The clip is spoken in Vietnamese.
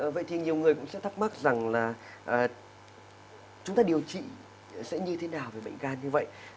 vậy thì nhiều người cũng sẽ thắc mắc rằng là chúng ta điều trị sẽ như thế nào về bệnh gan như vậy